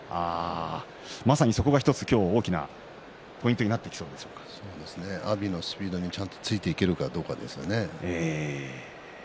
まさにそこが１つ大きなポイントに阿炎のスピードにちゃんとついていけるかどうかですね。